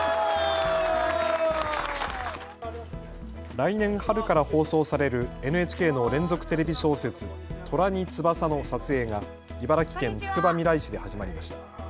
来年春から放送されるＮＨＫの連続テレビ小説、虎に翼の撮影が茨城県つくばみらい市で始まりました。